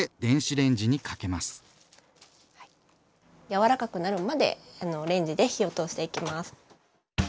やわらかくなるまでレンジで火を通していきます。